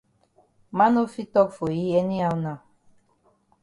Man no fit tok for yi any how now.